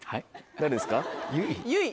誰ですか？